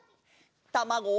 「たまご」。